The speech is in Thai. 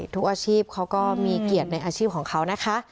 ทุกอาชีพเขาก็มีเกียรติในอาชีพของเขานะคะ